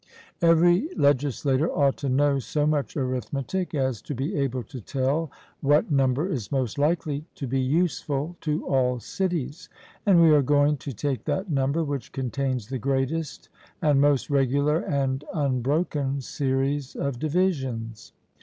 Every legislator ought to know so much arithmetic as to be able to tell what number is most likely to be useful to all cities; and we are going to take that number which contains the greatest and most regular and unbroken series of divisions.